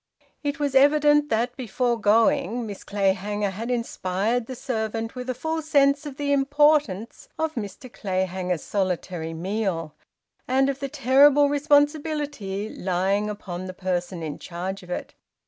It was evident that before going Miss Clayhanger had inspired the servant with a full sense of the importance of Mr Clayhanger's solitary meal, and of the terrible responsibility lying upon the person in charge of it.